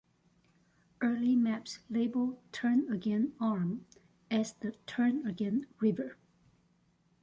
Early maps label Turnagain Arm as the "Turnagain River".